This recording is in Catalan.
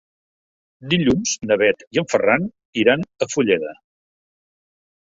Dilluns na Bet i en Ferran iran a Fulleda.